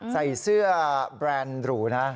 ใส่เสื้อแบรนด์หรูนะ